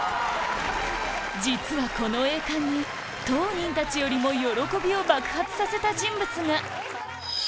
実はこの栄冠に当人たちよりも喜びを爆発させた人物が！